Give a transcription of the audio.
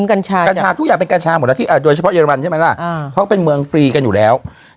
กัญชากัญชาทุกอย่างเป็นกัญชาหมดแล้วที่โดยเฉพาะเรมันใช่ไหมล่ะเพราะเป็นเมืองฟรีกันอยู่แล้ว